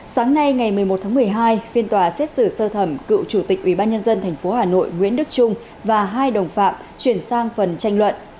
sáng nay ngày một mươi một tháng một mươi hai phiên tòa xét xử sơ thẩm cựu chủ tịch ubnd tp hà nội nguyễn đức trung và hai đồng phạm chuyển sang phần tranh luận